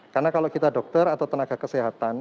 karena kalau kita dokter atau tenaga kesehatan